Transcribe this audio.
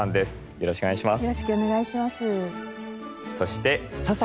よろしくお願いします。